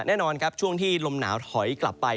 แน่นอนครับช่วงที่ลมหนาวถอยกลับไป